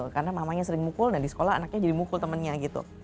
karena mamanya sering mukul dan di sekolah anaknya jadi mukul temennya gitu